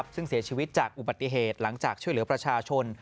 ซึ่งเสียชีวิตจากอุบัติเหตุหลังจากช่วยเหลือประชาชน